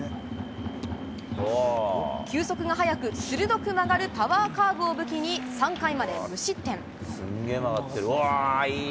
球速が速く、鋭く曲がるパワーカーブを武器に、３回まで無失点。